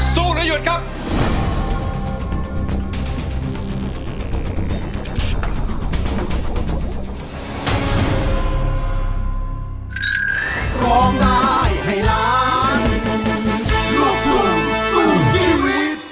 หรือหยุดครับ